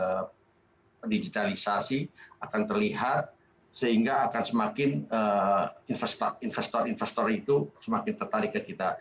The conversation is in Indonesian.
dan kita dengan mudah implementasi dari digitalisasi akan terlihat sehingga akan semakin investor investor itu semakin tertarik ke kita